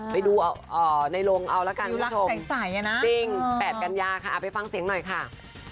ไปดูในโรงเอาละกันคุณผู้ชมจริง๘กันยาค่ะไปฟังเสียงหน่อยค่ะ